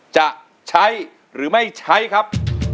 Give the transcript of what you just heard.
จะใช้หรือไม่ใช้ครับ